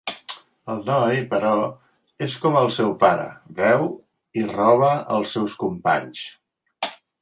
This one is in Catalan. El noi, però, és com el seu pare, veu i roba els seus companys.